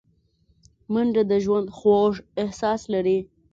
منډه د ژوند خوږ احساس لري